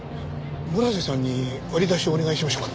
村瀬さんに割り出しをお願いしましょうか。